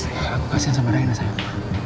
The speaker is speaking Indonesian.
ya aku kasih sama reina sayang